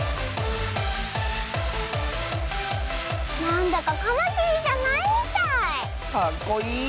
なんだかカマキリじゃないみたい。